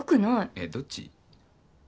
えどっち？